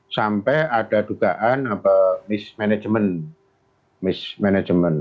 sampai ada dugaan mismanagement